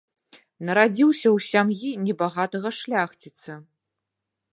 Нарадзіўся ў сям'і небагатага шляхціца.